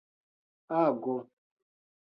ago